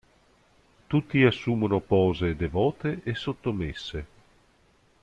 Tutti assumono pose devote e sottomesse.